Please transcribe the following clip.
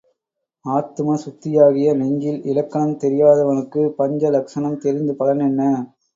ஆத்தும சுத்தியாகிய நெஞ்சில் இலக்கணம் தெரியாதவனுக்குப் பஞ்ச லக்ஷணம் தெரிந்து பலன் என்ன?